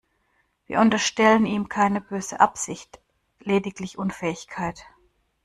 Wir unterstellen ihm keine böse Absicht, lediglich Unfähigkeit.